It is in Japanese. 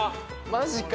マジか！？